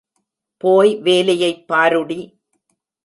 போய் வேலையைப் பாருடி.